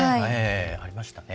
ありましたね。